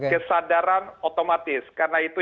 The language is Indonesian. kesadaran otomatis karena itu